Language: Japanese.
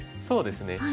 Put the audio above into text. そうですね。